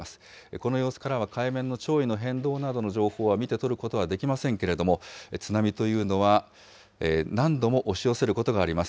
この様子からは海面の潮位の変動などの情報は見て取ることはできませんけれども、津波というのは何度も押し寄せることがあります。